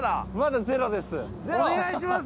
お願いします！